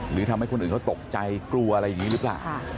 หรือทำให้คนอื่นเขาตกใจกลัวอะไรอย่างนี้หรือเปล่า